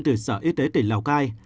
từ sở y tế tỉnh lào cai